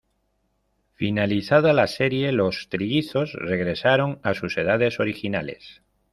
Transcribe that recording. Finalizada la serie, los trillizos regresaron a sus edades originales.